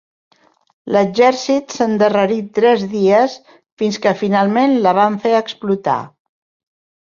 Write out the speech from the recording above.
L'exèrcit s'endarrerí tres dies fins que finalment la van fer explotar.